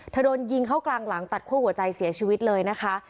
โดนยิงเข้ากลางหลังตัดคั่วหัวใจเสียชีวิตเลยนะคะ